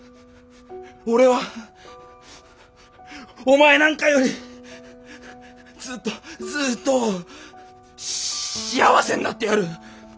俺はお前なんかよりずっとずっと幸せになってやる！